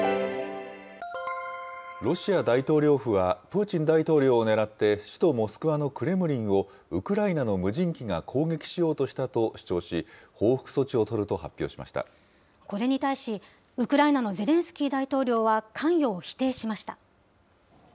ロシア大統領府は、プーチン大統領を狙って首都モスクワのクレムリンをウクライナの無人機が攻撃しようとしたと主張し、報復これに対し、ウクライナのゼレンスキー大統領は関与を否定しました。